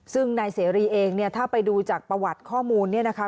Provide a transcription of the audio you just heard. ซึ่งนายเสรีเองเนี่ยถ้าไปดูจากประวัติข้อมูลเนี่ยนะคะ